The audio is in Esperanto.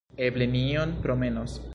Eble ni iom promenos?